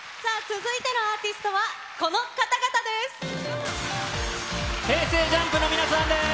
続いてのアーティストは、この方々です。